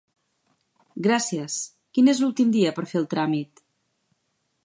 Gràcies, quin és l'últim dia per fer el tràmit?